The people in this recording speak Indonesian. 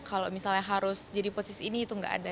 kalau misalnya harus jadi posisi ini itu nggak ada